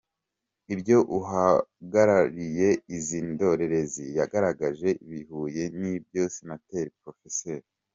Ibyo uhagarariye izi ndorerezi yagaragaje bihuye n’ibyo Senateri Prof.